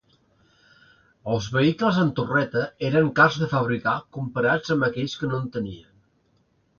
Els vehicles amb torreta era cars de fabricar comparats amb aquells que no tenien.